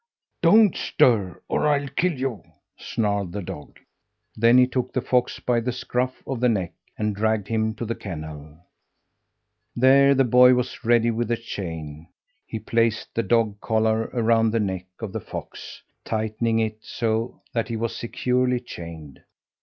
"Don't stir or I'll kill you!" snarled the dog. Then he took the fox by the scruff of the neck and dragged him to the kennel. There the boy was ready with the chain. He placed the dog collar around the neck of the fox, tightening it so that he was securely chained.